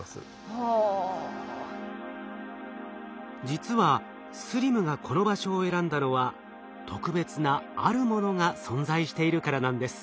実はＳＬＩＭがこの場所を選んだのは特別な「あるもの」が存在しているからなんです。